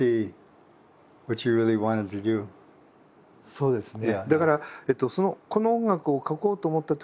そうですね。